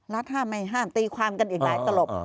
ห้ามไม่ห้ามตีความกันอีกหลายตลบ